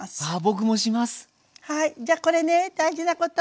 はいじゃこれね大事なこと。